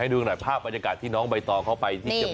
ให้ดูหน่อยภาพบรรยากาศที่น้องใบตองเข้าไป